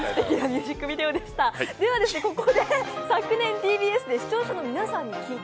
ここで昨年ＴＢＳで視聴者の皆さんに聞いた